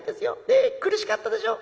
ねえ苦しかったでしょ？